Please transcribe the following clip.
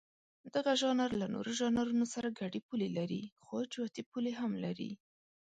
دغه ژانر له نورو ژانرونو سره ګډې پولې لري، خو جوتې پولې هم لري.